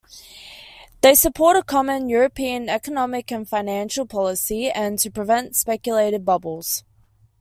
They support a common European economic and financial policy, and to prevent speculative bubbles.